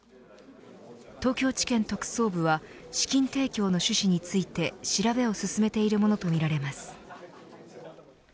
東京地検特捜部は資金提供の趣旨について調べを進めているものとみられます。